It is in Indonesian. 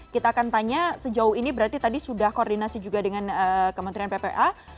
kita akan tanya sejauh ini berarti tadi sudah koordinasi juga dengan kementerian ppa